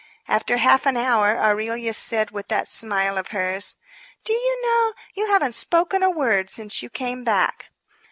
After half an hour Aurelia said, with that smile of hers: "Do you know, you haven't spoken a word since you came back!"